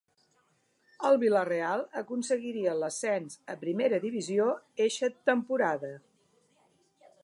El Vila-real aconseguiria l'ascens a primera divisió eixa temporada.